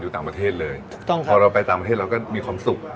ต่างประเทศเลยถูกต้องค่ะพอเราไปต่างประเทศเราก็มีความสุข